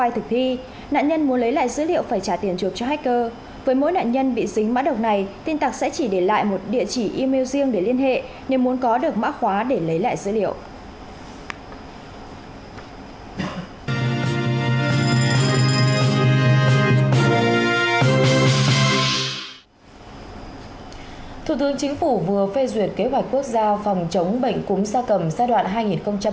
thủ tướng chính phủ vừa phê duyệt kế hoạch quốc gia phòng chống bệnh cúng sa cầm giai đoạn hai nghìn một mươi chín hai nghìn hai mươi năm